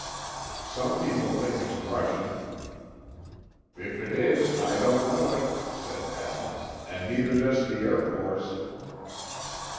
"Some people think it's Russian." "If it is, I don't know it," said Al, "and neither does the Air Force."